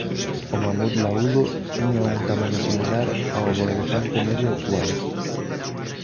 O mamut laúdo tiña un tamaño similar ao do elefante medio actual.